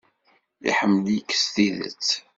Iḥemmel-ik s tidet.